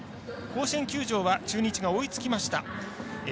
甲子園球場は中日が追いつきました。